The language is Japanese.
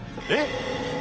えっ！